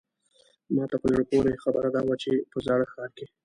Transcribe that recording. ماته په زړه پورې خبره دا وه چې په زاړه ښار کې.